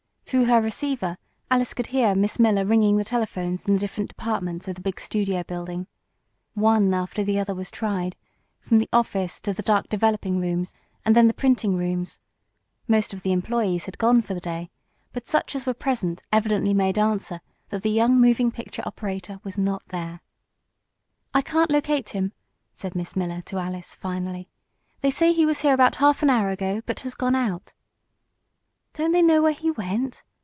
Through her receiver Alice could hear Miss Miller ringing the telephones in the different departments of the big studio building. One after the other was tried, from the office to the dark developing rooms, and then the printing rooms. Most of the employees had gone for the day, but such as were present evidently made answer that the young moving picture operator was not there. "I can't locate him," said Miss Miller to Alice, finally. "They say he was here about a half hour ago, but has gone out." "Don't they know where he went?"